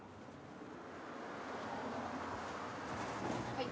はい。